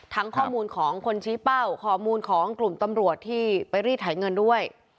ข้อมูลของคนชี้เป้าข้อมูลของกลุ่มตำรวจที่ไปรีดไถเงินด้วย